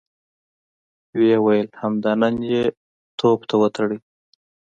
ويې ويل: همدا نن يې توپ ته وتړئ!